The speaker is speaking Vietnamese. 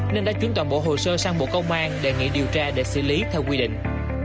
nên đã chuyển toàn bộ hồ sơ sang bộ công an đề nghị điều tra để xử lý theo quy định